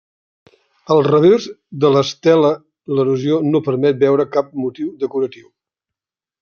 Al revers de l'estela l'erosió no permet veure cap motiu decoratiu.